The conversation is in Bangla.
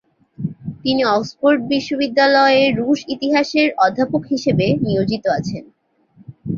তিনি অক্সফোর্ড বিশ্ববিদ্যালয়ে রুশ ইতিহাসের অধ্যাপক হিসেবে নিয়োজিত আছেন।